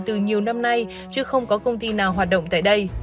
từ nhiều năm nay chứ không có công ty nào hoạt động tại đây